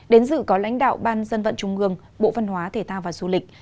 đến dự có lãnh đạo ban dân vận trung ương bộ văn hóa thể thao và du lịch